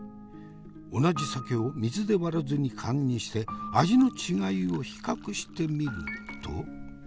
同じ酒を水で割らずに燗にして味の違いを比較してみると。